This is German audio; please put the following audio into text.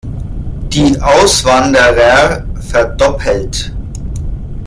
Die Auswanderer" verdoppelt.